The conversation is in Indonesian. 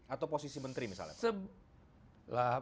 atau posisi menteri misalnya